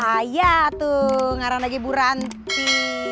ayah tuh ngarang lagi bu ranti